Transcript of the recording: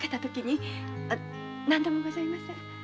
何でもございません。